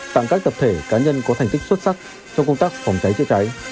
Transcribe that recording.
tặng các tập thể cá nhân có thành tích xuất sắc trong công tác phòng cháy chữa cháy